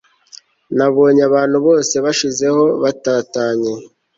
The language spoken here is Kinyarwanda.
nabonye abantu bose banshizeho batatanye